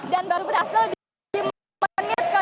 dan baru berhasil di menit ke delapan puluh delapan